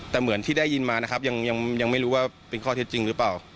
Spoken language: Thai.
แต่เหมือนที่ได้ยินมานะครับยังไม่รู้ว่าเป็นข้อเท็จจริงหรือเปล่า